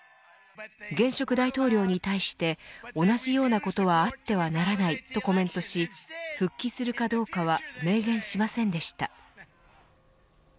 現職大統領に対して同じようなことはあってはならないとコメントし復帰するかどうかは明言しませんでした。